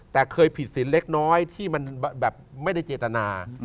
แต่เคยผิดสินเล็กน้อยที่มันแบบไม่ได้เจตนา